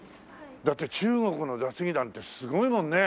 だって中国の雑技団ってすごいもんね。